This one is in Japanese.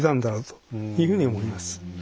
というふうに思います。